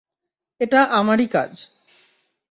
এটা আমারই কাজ।